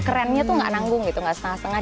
kerennya tuh gak nanggung gitu nggak setengah setengah